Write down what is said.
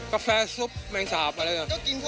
ก็กินเข้าไปทั้งตัวนี้เหรอ